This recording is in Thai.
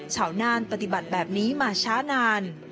น่านปฏิบัติแบบนี้มาช้านาน